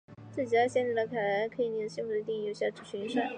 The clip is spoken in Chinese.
这极大的限定了那种凯莱表可以令人信服的定义有效的群运算。